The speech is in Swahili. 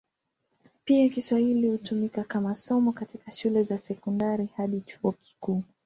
Pia Kiswahili hutumika kama somo katika shule za sekondari hadi chuo kikuu.